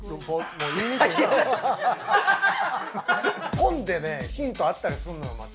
本でヒントあったりするのよ。